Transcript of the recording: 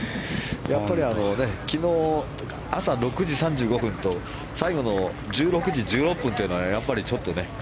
やっぱり昨日、朝６時３５分と最後の１６時１６分というのはやっぱりちょっとね。